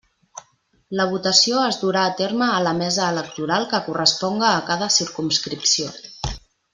La votació es durà a terme a la Mesa Electoral que corresponga a cada circumscripció.